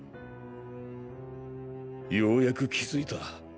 ようやく気付いた。